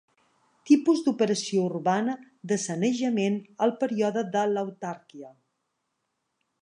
Tipus d'operació urbana de sanejament al període de l'autarquia.